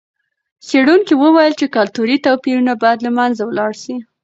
څېړونکي وویل چې کلتوري توپیرونه باید له منځه ولاړ سي.